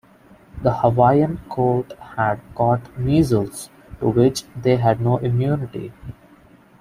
The Hawaiian court had caught measles, to which they had no immunity.